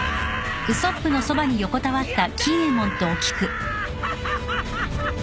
ハハハハハ！